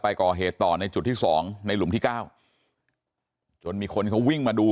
ก่อเหตุต่อในจุดที่สองในหลุมที่เก้าจนมีคนเขาวิ่งมาดู